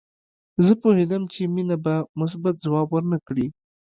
زه پوهېدم چې مينه به مثبت ځواب ورنه کړي